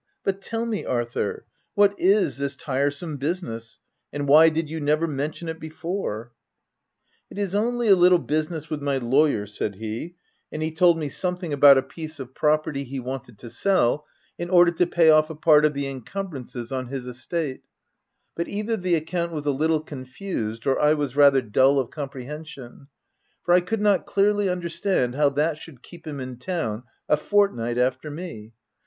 But tell me, Arthur, what is this tiresome business ; and why did you never mention it before ?"" It is only a little business with my lawyer," said he ; and he told me something about a 104 THE TENANT piece of property he wanted to sell in order to pay off a part of the encumbrances on his estate ; but either the account was a little con fused or I was rather dull of comprehension, for I could not clearly understand how that should keep him in town a fortnight after me.